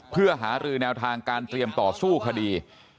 เพื่อหารือแนวทางการเตรียมต่อสู้คดี